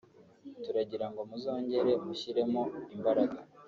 turagira ngo muzongere mushyiremo imbaraga